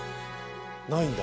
ないんだ。